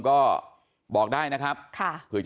ก็บอกได้นะครับ